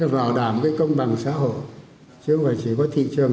vào đảm công bằng xã hội chứ không phải chỉ có thị trường